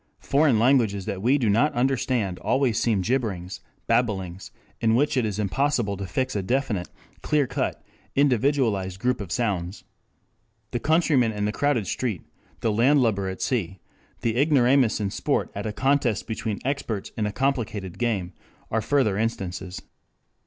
"Foreign languages that we do not understand always seem jibberings, babblings, in which it is impossible to fix a definite, clear cut, individualized group of sounds. The countryman in the crowded street, the landlubber at sea, the ignoramus in sport at a contest between experts in a complicated game, are further instances.